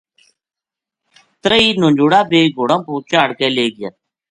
تریہی نجوڑا بے گھوڑاں پو چاہڑ کے لے گیا